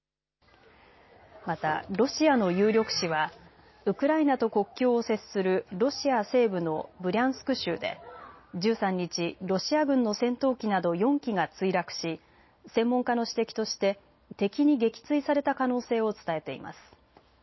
またロシアの有力紙はウクライナと国境を接するロシア西部のブリャンスク州で１３日、ロシア軍の戦闘機など４機が墜落し専門家の指摘として敵に撃墜された可能性を伝えています。